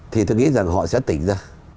thì tôi nghĩ rằng họ sẽ tỉnh ra